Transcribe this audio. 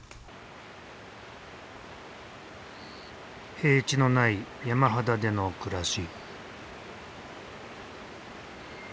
平地のない山肌での暮らし。